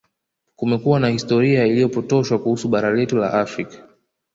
Kumekuwa na historia iliyopotoshwa kuhusu bara letu la Afrika